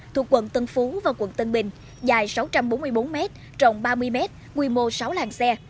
thuộc quận tân phú và quận tân bình dài sáu trăm bốn mươi bốn mét rộng ba mươi mét nguy mô sáu làng xe